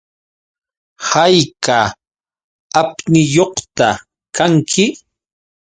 ¿Hayka apniyuqta kanki?